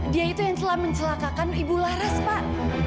dia itu yang telah mencelakakan ibu laras pak